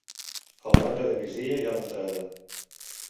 A la banda de migdia hi ha l'entrada.